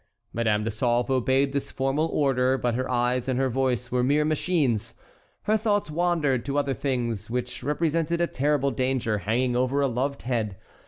Madame de Sauve obeyed this formal order, but her eyes and her voice were mere machines. Her thoughts wandered to other things which represented a terrible danger hanging over a loved head.